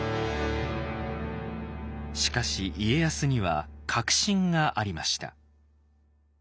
しかし家康には確信がありました。